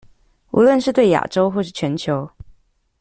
無論是對亞洲或是全球